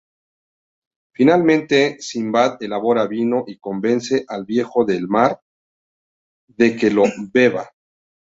Finalmente, Simbad elabora vino y convence al Viejo del Mar de que lo beba.